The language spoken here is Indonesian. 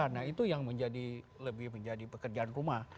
nah itu yang menjadi lebih menjadi pekerjaan rumah